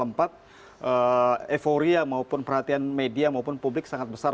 euforia maupun perhatian media maupun publik sangat besar